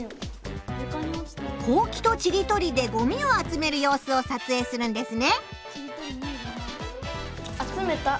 ほうきとちりとりでごみを集める様子を撮影するんですね。